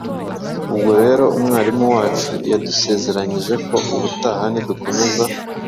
Ubwo rero umwarimu wacu yadusezeranyije ko ubutaha nidukomeza